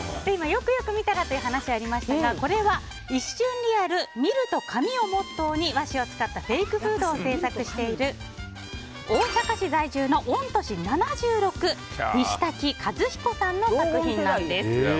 よくよく見たらという話がありましたがこれは「一瞬リアル、見ると紙」をモットーに和紙を使ったフェイクフードを制作している大阪市在住の御年７６西瀧一彦さんの作品なんです。